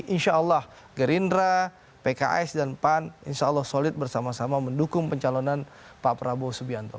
insya allah gerindra pks dan pan insya allah solid bersama sama mendukung pencalonan pak prabowo subianto